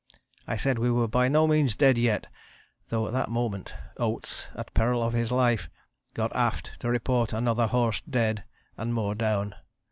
I said we were by no means dead yet, though at that moment, Oates, at peril of his life, got aft to report another horse dead; and more down.